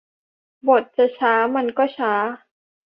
บทจะช้ามันก็ช้า